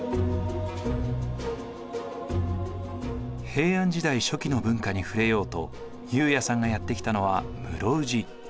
平安時代初期の文化に触れようと悠也さんがやって来たのは室生寺。